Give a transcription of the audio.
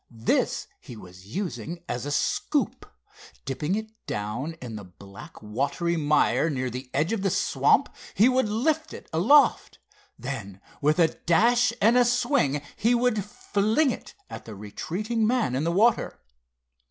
This he was using as a scoop. Dipping it down in the black, watery mire near the edge of the swamp, he would lift it aloft. Then with a dash and a swing he would fling it at the retreating man in the water.